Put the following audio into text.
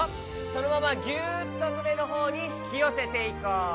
そのままギュッとむねのほうにひきよせていこう。